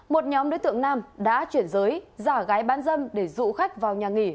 một nhóm đối tượng nam đã chuyển giới giả gái bán dâm để dụ khách vào nhà nghỉ